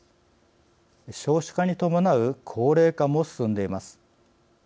少子化に伴う高齢化も進んでいます。